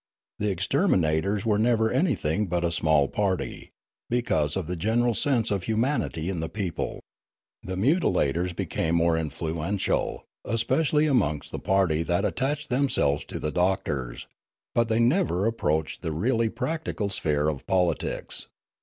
The exterm inators were never anything but a small party, because of the general sense of humanity in the people. The 404 Riallaro mutilators became more influential, especially amongst the party that attached themselves to the doctors ; but they never approached the really practical sphere of politics.